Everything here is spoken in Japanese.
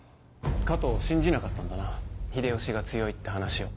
加藤は信じなかったんだな秀吉が強いって話を。